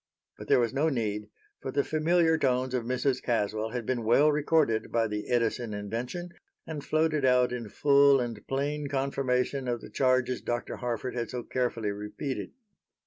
But there was no need, for the familiar tones of Mrs. Caswell had been well recorded by the Edison invention and floated out in full and plain confirmation of the charges Dr. Harford had so carefully repeated.